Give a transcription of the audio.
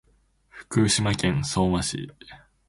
福島県相馬市